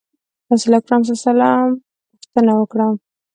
رسول اکرم صلی الله علیه وسلم پوښتنه وکړه.